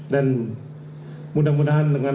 dan mudah mudahan dengan